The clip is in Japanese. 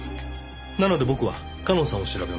なので僕は夏音さんを調べます。